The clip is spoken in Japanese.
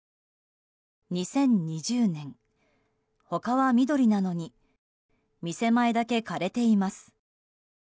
２０２０年、他は緑なのに店前だけ枯れています。